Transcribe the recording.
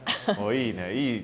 いいねいい。